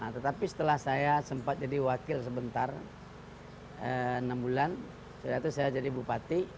tetapi setelah saya sempat jadi wakil sebentar enam bulan setelah itu saya jadi bupati